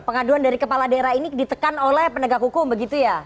pengaduan dari kepala daerah ini ditekan oleh penegak hukum begitu ya